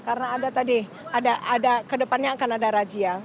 karena ada tadi ada ada ke depannya akan ada razia